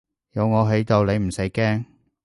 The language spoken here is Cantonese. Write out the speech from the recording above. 有我喺度你唔使驚